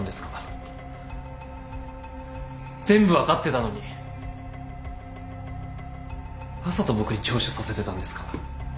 全部分かってたのにわざと僕に聴取させてたんですか？